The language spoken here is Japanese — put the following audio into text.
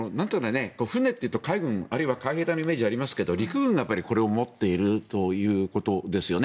船というと海軍、あるいは海兵隊のイメージがありますが陸軍がこれを持っているということですよね。